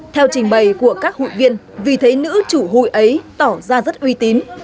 theo trình bày của các hội viên vì thế nữ chủ hụi ấy tỏ ra rất uy tín